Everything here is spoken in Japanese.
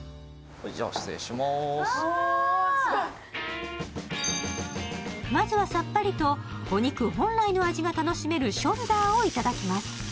おおすごいまずはさっぱりとお肉本来の味が楽しめるショルダーをいただきます